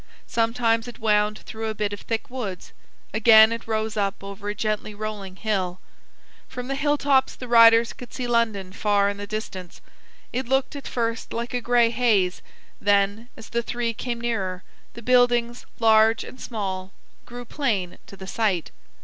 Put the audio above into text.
Sometimes it wound through a bit of thick woods; again it rose up over a gently rolling hill. From the hilltops the riders could see London far in the distance. It looked at first like a gray haze; then, as the three came nearer, the buildings, large and small, grew plain to the sight.